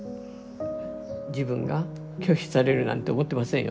自分が拒否されるなんて思ってませんよね。